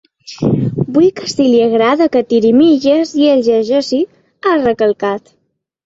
Vull que si li agrada que tiri milles i el llegeixi, ha recalcat.